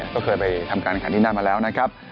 ก็เคยไปทำการแข่งที่นั่นมาแล้วนะครับ